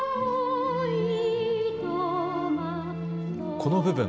この部分。